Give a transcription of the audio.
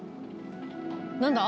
何だ？